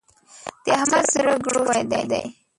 د احمد زړه ګرو شوی دی.